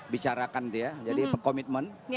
bicarakan dia jadi komitmen